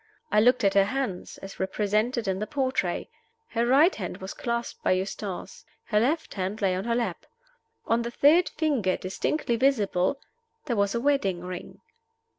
I looked at her hands, as represented in the portrait. Her right hand was clasped by Eustace; her left hand lay on her lap. On the third finger, distinctly visible, there was a wedding ring.